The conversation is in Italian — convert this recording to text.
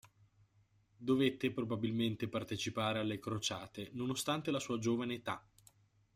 Dovette probabilmente partecipare alle Crociate nonostante la sua giovane età.